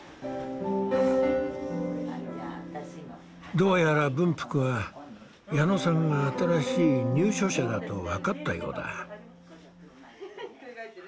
どうやら文福は矢野さんが新しい入所者だと分かったようだ。